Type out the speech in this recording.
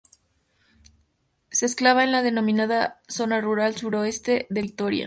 Se enclava en la denominada Zona Rural Suroeste de Vitoria.